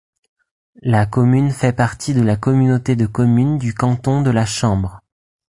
La commune fait partie de la communauté de communes du canton de La Chambre.